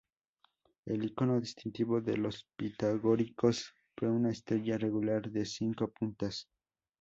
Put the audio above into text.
El icono distintivo de los pitagóricos fue una estrella regular de cinco puntas.